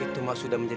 itu mas sudah menjauh